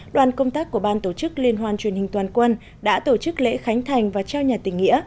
đoàn công tác của ban tổ chức liên hoan truyền hình toàn quân đã tổ chức lễ khánh thành và trao nhà tỉnh nghĩa